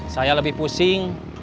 saya lebih pusing